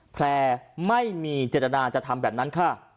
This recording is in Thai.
แพร่ไม่มีเจตนาจะทำแบบนั้นค่ะ